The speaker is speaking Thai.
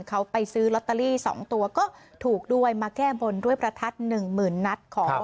เขาไปซื้อลอตเตอรี่๒ตัวก็ถูกด้วยมาแก้บนด้วยประทัดหนึ่งหมื่นนัดของ